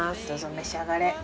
どうぞ召し上がれ。